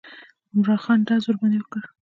عمرا خان ډز ورباندې وکړ.